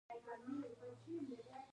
ته چې د چا پۀ سر لاس کېږدې ـ هغه باچا دے ـ